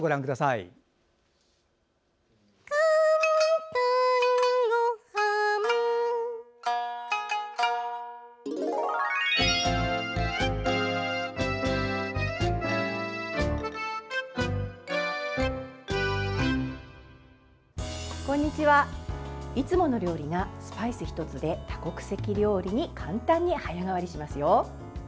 いつもの料理がスパイス１つで多国籍料理に簡単に早変わりしますよ。